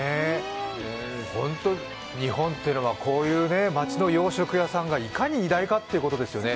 本当に日本というのはこういう町の洋食屋さんがいかに偉大かってことですよね。